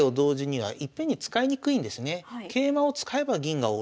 はい。